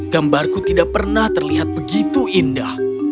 gambarku tidak pernah terlihat begitu indah